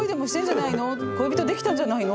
「恋人できたんじゃないの？」